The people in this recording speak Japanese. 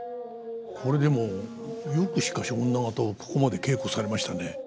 これでもよくしかし女方をここまで稽古されましたね。